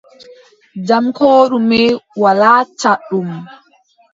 Jam koo ɗume, walaa caɗɗum.